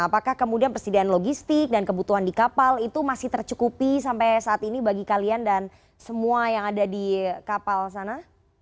apakah kemudian persediaan logistik dan kebutuhan di kapal itu masih tercukupi sampai saat ini bagi kalian dan semua yang ada di kapal sana